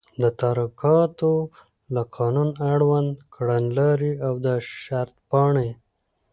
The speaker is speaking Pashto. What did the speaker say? د تدارکاتو له قانون، اړوند کړنلاري او د شرطپاڼي